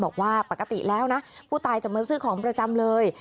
บอกว่าปกติแล้วนะผู้ตายจะมาซื้อของประจำเลย